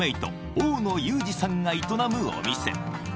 大野雄次さんが営むお店